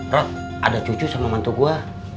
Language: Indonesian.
roh ada cucu sama mantu gue